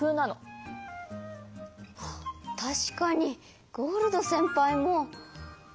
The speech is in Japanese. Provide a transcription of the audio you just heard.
あったしかにゴールドせんぱいも。